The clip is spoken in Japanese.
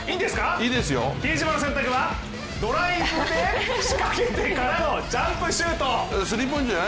比江島の選択はドライブで仕掛けてからのジャンプシュート。